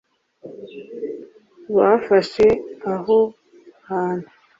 bafashe aho hantu